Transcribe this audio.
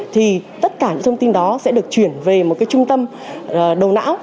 thì tất cả những thông tin đó sẽ được chuyển về một cái trung tâm đầu não